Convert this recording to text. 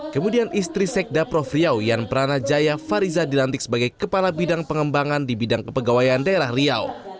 kemudian istri sekda prof riau yan pranajaya fariza dilantik sebagai kepala bidang pengembangan di bidang kepegawaian daerah riau